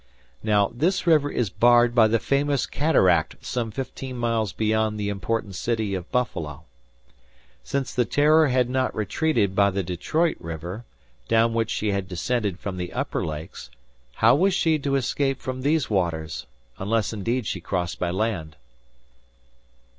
Now, this river is barred by the famous cataract some fifteen miles beyond the important city of Buffalo. Since the "Terror" had not retreated by the Detroit River, down which she had descended from the upper lakes, how was she to escape from these waters, unless indeed she crossed by land?